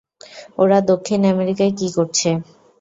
ওরা দক্ষিণ আমেরিকায় কী করছে?